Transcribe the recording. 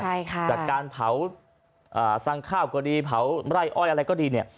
จากการเผาสร้างข้าวก็ดีเผาไร้อ้อยอะไรก็ดี